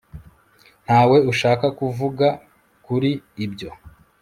Ntawe ushaka kuvuga kuri ibyo